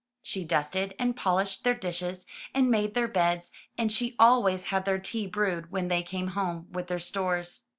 She dusted, and polished their dishes, and made their beds, and she always had their tea brewed when they came home with their stores.